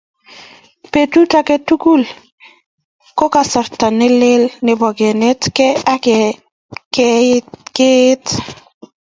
Petut age tugul ko kasarta nelel nebo kenetkei ak keet